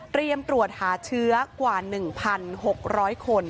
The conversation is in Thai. เตรียมตรวจหาเชื้อกว่า๑๖๐๐คน